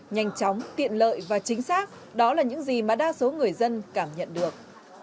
nhanh chóng tiện lợi và chính xác đó là những gì mà đa số người dân cảm nhận được